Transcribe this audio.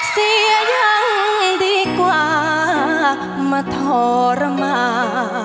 เชร๊ะอย่างดีกว่ามาทรมาน